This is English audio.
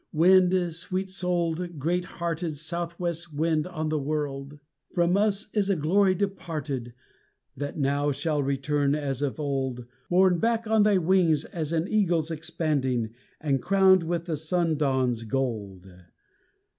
Wind, sweet souled, great hearted Southwest wind on the wold! From us is a glory departed That now shall return as of old, Borne back on thy wings as an eagle's expanding, and crowned with the sundawn's gold.